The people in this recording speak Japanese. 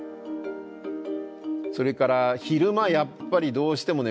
それから昼間やっぱりどうしても眠くなっちゃう。